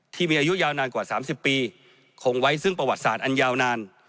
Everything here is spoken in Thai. ที่มีอายุยาวนานกว่า๓๐ปีคงไว้ซึ่งประวัติศาสตร์อันยาวนาน